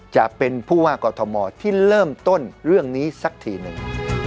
จะเป็นผู้ว่ากอทมที่เริ่มต้นเรื่องนี้สักทีหนึ่ง